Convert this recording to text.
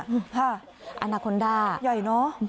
อาณาคอนด้าใหญ่เนอะ